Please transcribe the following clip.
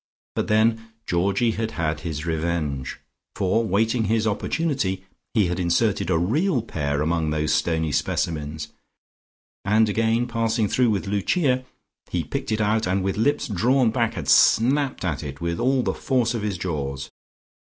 But then Georgie had had his revenge, for waiting his opportunity he had inserted a real pear among those stony specimens and again passing through with Lucia, he picked it out, and with lips drawn back had snapped at it with all the force of his jaws.